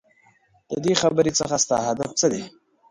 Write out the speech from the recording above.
ددې خبرې څخه ستا هدف څه دی ؟؟